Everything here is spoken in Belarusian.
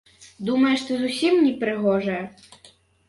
Думаеш, ты зусім непрыгожая?